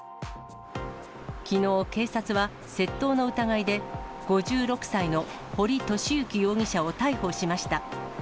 きのう警察は、窃盗の疑いで、５６歳の堀寿行容疑者を逮捕しました。